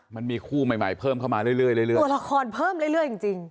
มันมีคู่ใหม่ใหม่เพิ่มเข้ามาเรื่อยเรื่อยเรื่อยตัวละครเพิ่มเรื่อยเรื่อยจริงจริง